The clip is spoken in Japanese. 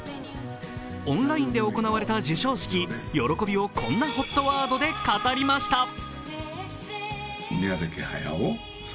オンラインで行われた授賞式、喜びをこんなＨＯＴワードで語りました。